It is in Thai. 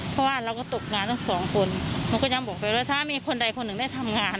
เพราะว่าเราก็ตกงานทั้งสองคนหนูก็ยังบอกไปว่าถ้ามีคนใดคนหนึ่งได้ทำงาน